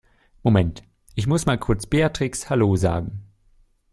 Moment, ich muss mal kurz Beatrix Hallo sagen.